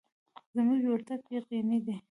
زموږ ورتګ یقیني دی.